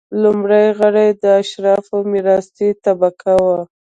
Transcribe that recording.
لومړي غړي د اشرافو میراثي طبقه وه.